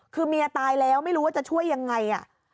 คือเมียตายแล้วไม่รู้ว่าจะช่วยยังไง